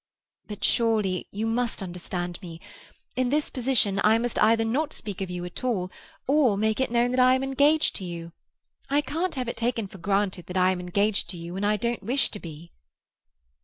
"But surely you must understand me. In this position, I must either not speak of you at all, or make it known that I am engaged to you. I can't have it taken for granted that I am engaged to you when I don't wish to be."